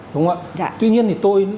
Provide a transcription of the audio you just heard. đúng không ạ dạ tuy nhiên thì tôi